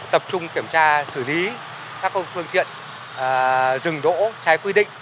tập trung kiểm tra xử lý các phương tiện dừng đỗ trái quy định